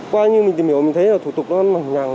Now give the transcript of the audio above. qua như mình tìm hiểu mình thấy là thủ tục nó mỏng nhằng